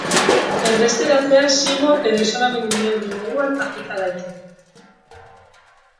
Erbesteratzea zigor edo isolamendu neurri moduan aplika daiteke.